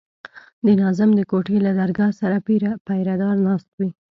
د ناظم د کوټې له درګاه سره پيره دار ناست وي.